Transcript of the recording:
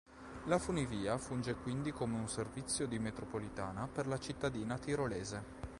La funivia funge quindi come un servizio di metropolitana per la cittadina tirolese,